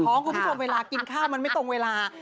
เพราะทุกคนค่ะเวลากินข้ามันไม่ตรงเวลา